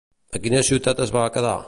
A quina ciutat es va quedar?